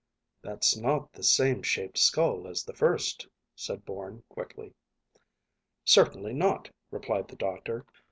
"That's not the same shaped skull as the first," said Bourne quickly. "Certainly not," replied the doctor.